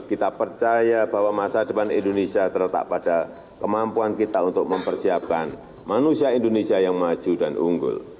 kita percaya bahwa masa depan indonesia terletak pada kemampuan kita untuk mempersiapkan manusia indonesia yang maju dan unggul